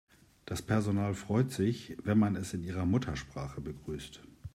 Das Personal freut sich, wenn man es in ihrer Muttersprache begrüßt.